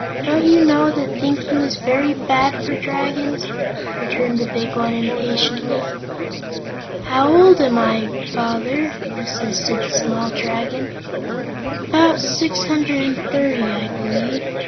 Don't you know that thinking is very bad for Dragons?" returned the big one, impatiently. "How old am I, Father?" persisted the small Dragon. "About six hundred and thirty, I believe.